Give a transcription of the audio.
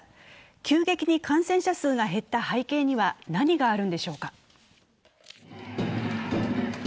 急激に感染者数が減った背景には何があるのでしょうか。